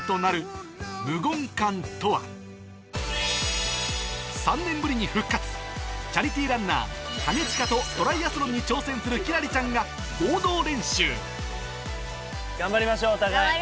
スペシャル３年ぶりに復活チャリティーランナー兼近とトライアスロンに挑戦する輝星ちゃんが合同練習頑張りましょうお互い。